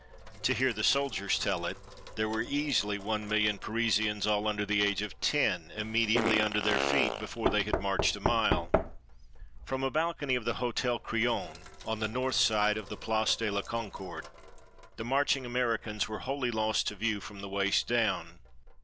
To hear the soldiers tell it, there were easily one million Parisians, all under the age of ten, immediately under their feet before they had marched a mile. From a balcony of the Hotel Crillon, on the north side of the Place de la Concorde, the marching Americans were wholly lost to view from the waist down.